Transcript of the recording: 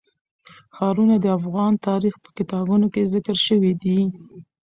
ښارونه د افغان تاریخ په کتابونو کې ذکر شوی دي.